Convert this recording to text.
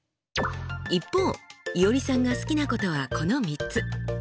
一方いおりさんが好きなことはこの３つ。